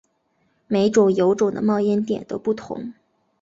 每种油种的冒烟点都不同。